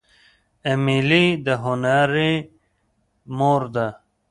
ایمیلي د هنري مور ده.